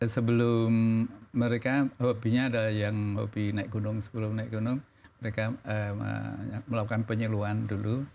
sebelum mereka hobinya ada yang hobi naik gunung sebelum naik gunung mereka melakukan penyeluan dulu